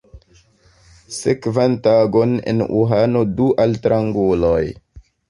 Sekvan tagon en Uhano du altranguloj.